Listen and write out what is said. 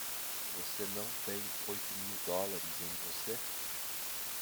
Você não tem oito mil dólares em você?